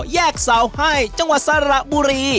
แยกเสาให้จังหวัดสระบุรี